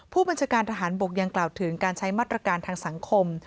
ผู้บัญชาการทหารบกยังกล่าวถึงการใช้มาตรการทางสังคม